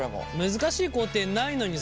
難しい工程ないのにさ